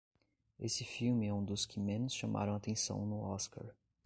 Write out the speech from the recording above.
Esse filme é um dos que menos chamaram a atenção no Oscar.